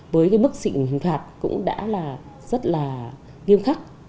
với cái bức xịn hình phạt cũng đã là rất là nghiêm khắc